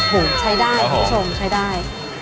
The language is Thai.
โหใช้ได้ผู้ชมใช้ได้